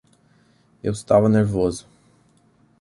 Eu estava nervoso.